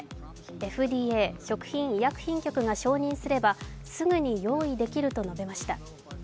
ＦＤＡ＝食品医薬品局が承認すればすぐに用意できると述べました。